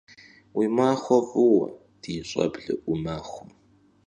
Уи махуэ фӏыуэ, ди щӏэблэ ӏумахуэ!